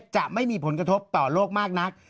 จะไม่มีผลกระทบต่อโลกมากนัก